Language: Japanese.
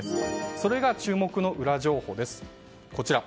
それが注目のウラ情報です。